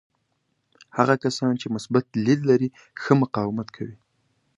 هغه کسان چې مثبت لید لري ښه مقاومت کوي.